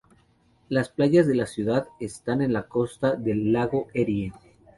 Las playas de la ciudad están en la costa del lago Erie.